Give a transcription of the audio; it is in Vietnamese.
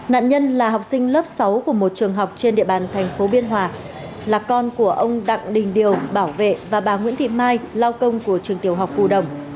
nạn nhân là học sinh lớp sáu của một trường học trên địa bàn thành phố biên hòa là con của ông đặng đình điều bảo vệ và bà nguyễn thị mai lao công của trường tiểu học phù đồng